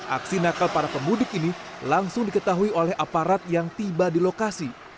aksi nakal para pemudik ini langsung diketahui oleh aparat yang tiba di lokasi